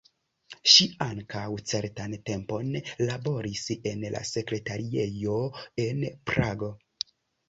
Ŝi ankaŭ certan tempon laboris en la sekretariejo en Prago.